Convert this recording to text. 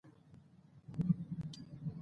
زده کړه نجونو ته د انټرنیټ کارول ور زده کوي.